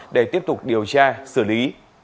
để tiếp tục điều tra xử lý